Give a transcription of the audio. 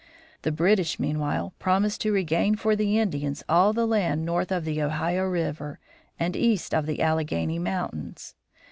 The British, meanwhile, promised to regain for the Indians all the land north of the Ohio River and east of the Alleghany Mountains.